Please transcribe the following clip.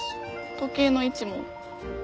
時計の位置も。